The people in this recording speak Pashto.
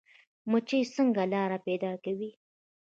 مچۍ څنګه لاره پیدا کوي؟